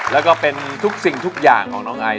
แล้วก็เป็นทุกสิ่งทุกอย่างของน้องไอ